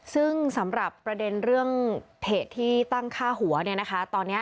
ซึ่งสำหรับประเด็นเรื่องเพจที่ตั้งค่าหัวเนี่ยนะคะตอนนี้